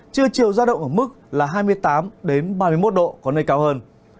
chưa chiều ra động ở mức là hai mươi tám đến ba mươi một độ có nơi cao hơn